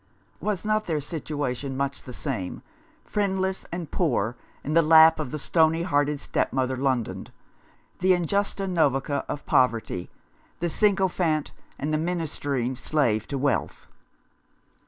Was not their situation much the same — friendless and poor in the lap of the stony hearted stepmother, London, the injusta noverca to poverty, the sycophant and the ministering slave to wealth